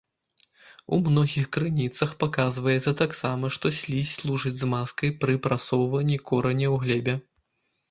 У многіх крыніцах паказваецца таксама, што слізь служыць змазкай пры прасоўванні кораня ў глебе.